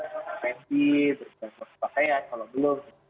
berhenti bergantung kepakaian kalau belum